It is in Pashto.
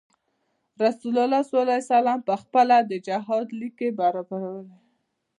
رسول الله صلی علیه وسلم خپله د جهاد ليکې برابرولې.